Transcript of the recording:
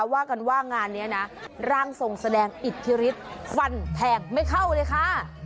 ว่ากันว่างานนี้นะร่างทรงแสดงอิทธิฤทธิ์ฟันแทงไม่เข้าเลยค่ะ